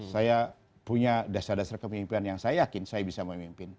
saya punya dasar dasar kemimpinan yang saya yakin saya bisa memimpin